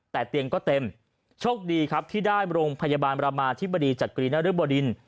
แต่เตียงก็เต็มโชคดีครับที่ได้โรงพยาบาลรามาธิบดีจากกรีนรึบดิน